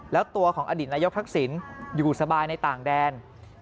แล้วตัวของอดีตนายกทักษิณอยู่สบายในต่างแดน